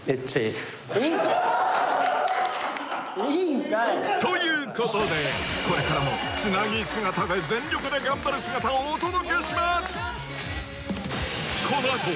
いいんかいということでこれからもつなぎ姿で全力で頑張る姿をお届けします